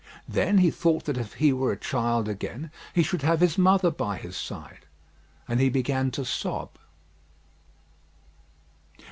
Then he thought that if he were a child again he should have his mother by his side, and he began to sob.